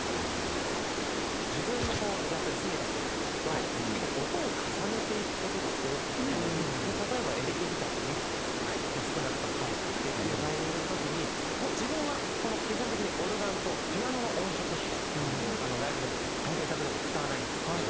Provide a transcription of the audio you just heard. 自分のやっているｓｕｍｉｋａっていうバンドだと結構例えばエレキギターが２本少なくとも入っていてっていうタイミングの時にもう自分は基本的にオルガンとピアノの音色しかライブでも制作でも使わないんですけど。